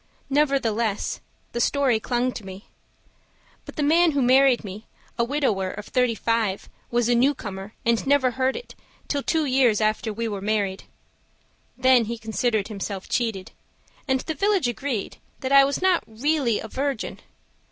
Nevertheless the story clung to me. But the man who married me, a widower of thirty five, Was a newcomer and never heard it 'Till two years after we were married. Then he considered himself cheated, And the village agreed that I was not really a virgin.